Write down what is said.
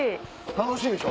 楽しいでしょ。